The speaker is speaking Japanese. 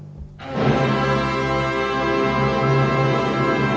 うわ。